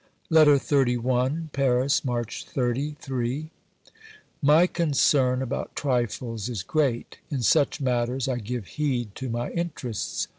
LETTER XXXI Paris, March 30 (III). My concern about trifles is great; in such matters I give heed to my interests.